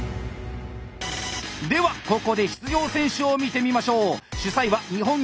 ではここで出場選手を見てみましょう！